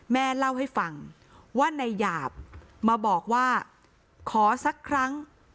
แม่เล่าให้ฟังว่านายหยาบมาบอกว่าขอสักครั้ง